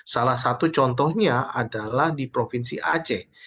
salah satu contohnya adalah di provinsi aceh